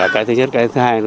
cái thứ nhất cái thứ hai